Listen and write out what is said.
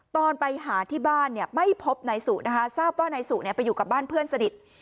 ตอนไปหาที่บ้านเนี่ยไม่พบนายสุนะคะทราบว่านายสุไปอยู่กับบ้านเพื่อนสนิท